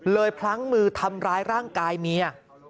พลั้งมือทำร้ายร่างกายเมีย